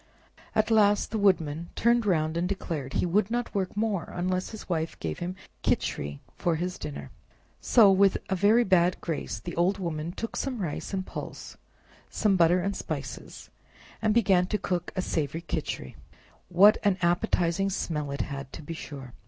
At last the Woodman turned round and declared he would not work more unless his Wife gave him Khichri for his dinner; so with a very bad grace the old woman took some rice and pulse, some butter and spices, and began to cook a savory Khichri. What an appetizing smell it had, to be sure!